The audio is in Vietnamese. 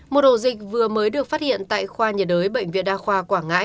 một hồ dịch vừa mới được phát hiện tại khoa nhà đới bệnh viện đa khoa quảng ngãi